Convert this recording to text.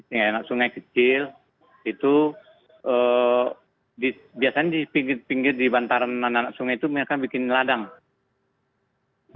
ya enak sungai kecil itu biasanya di pinggir pinggir di bantaran anak anak sungai itu mereka bikin ladang